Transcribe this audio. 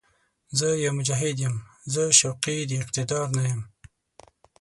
زه يو «مجاهد» یم، زه شوقي د اقتدار نه یم